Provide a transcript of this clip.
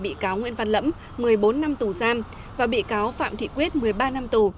bị cáo nguyễn văn lẫm một mươi bốn năm tù giam và bị cáo phạm thị quyết một mươi ba năm tù